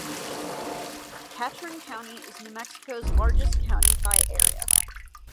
Catron County is New Mexico's largest county by area.